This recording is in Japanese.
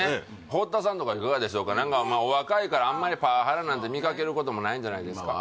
堀田さんとかいかがでしょうか何かまあお若いからあんまりパワハラなんて見かけることもないんじゃないですか？